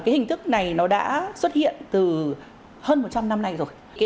hình thức này đã xuất hiện từ hơn một trăm linh năm nay rồi